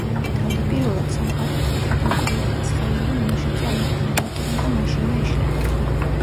თავდაპირველად, სამყარო იყო ისეთი მკვრივი და ცხელი, რომ მასში წარმოქმნილი ატომები მაშინვე იშლებოდნენ.